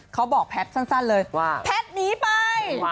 เขาบอกแพทย์สั้นเลยว่าแพทย์หนีไป